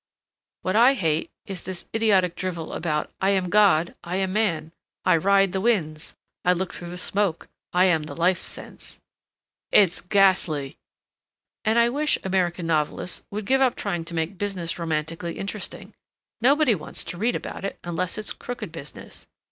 "What I hate is this idiotic drivel about 'I am God—I am man—I ride the winds—I look through the smoke—I am the life sense.'" "It's ghastly!" "And I wish American novelists would give up trying to make business romantically interesting. Nobody wants to read about it, unless it's crooked business.